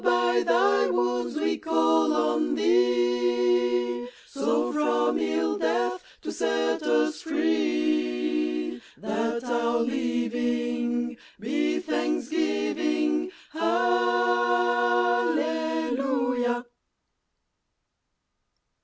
Lord, by Thy wounds we call on Thee, So from ill death to set us free, That our living Be thanksgiving : Hallelujah